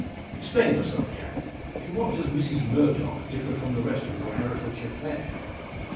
"Explain yourself, Jack. In what does Mrs Murdock differ from the rest of your Herefordshire fair?"